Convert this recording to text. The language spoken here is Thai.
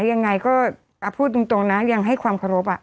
ยังไงก็พูดตรงนะยังให้ความเคารพ